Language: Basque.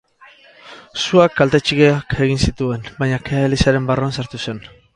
Suak kalte txikiak egin zituen, baina kea elizaren barruan sartu zen.